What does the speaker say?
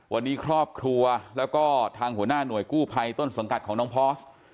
วันนี้ครอบครัวแล้วก็ทางหัวหน้าหน่วยกู้ภัยต้นสังกัดของน้องพอร์ส